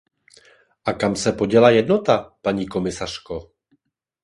Ale kam se poděla jednota, paní komisařko?